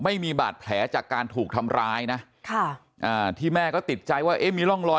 ไม่มีบาดแผลจากการถูกทำร้ายนะค่ะอ่าที่แม่ก็ติดใจว่าเอ๊ะมีร่องรอย